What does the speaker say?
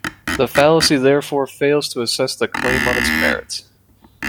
The fallacy therefore fails to assess the claim on its merit.